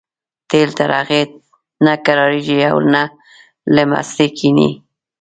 نیل تر هغې نه کرارېږي او نه له مستۍ کېني.